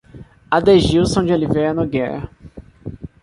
Adegilson de Oliveira Nogueira